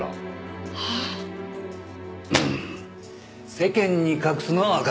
世間に隠すのはわかる。